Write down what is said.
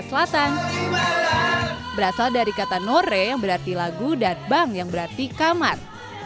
selatan berasal dari kata nore yang berarti lagu dan bang yang berarti kamar